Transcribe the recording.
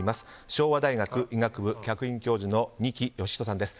昭和大学医学部客員教授の二木芳人さんです。